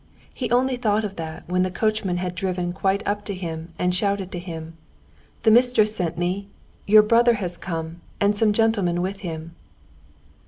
He only thought of that when the coachman had driven quite up to him and shouted to him. "The mistress sent me. Your brother has come, and some gentleman with him."